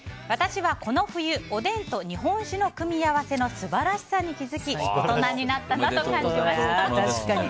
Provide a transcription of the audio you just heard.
私はこの冬おでんと日本酒の組み合わせの素晴らしさに気づき大人になったなと感じました。